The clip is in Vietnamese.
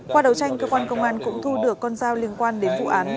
qua đấu tranh cơ quan công an cũng thu được con dao liên quan đến vụ án